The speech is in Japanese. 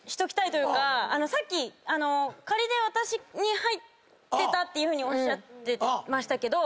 さっき「仮で私に入ってた」っていうふうにおっしゃってましたけど。